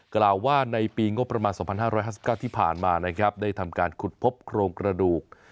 กล่าวว่าในปีงบประมาณ๒๕๕๙ที่ผ่านมานะครับได้ทำการขุดพบโครงกระดูก